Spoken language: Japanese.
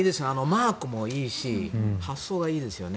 マークもいいし発想がいいですよね。